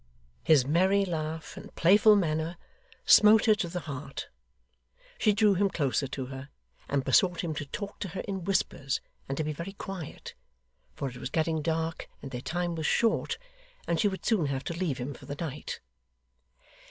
His merry laugh and playful manner smote her to the heart. She drew him closer to her, and besought him to talk to her in whispers and to be very quiet, for it was getting dark, and their time was short, and she would soon have to leave him for the night.